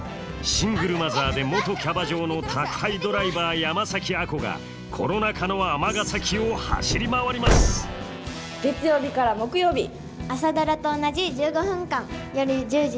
シングルマザーで元キャバ嬢の宅配ドライバー山崎亜子がコロナ禍の尼崎を走り回ります「朝ドラ」と同じ１５分間。